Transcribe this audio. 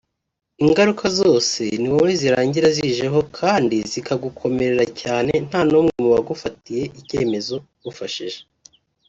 Ingaruka zose ni wowe birangira zijeho kandi zikagukomerera cyane nta n’umwe mu bagufatiye ibyemezo ugufashije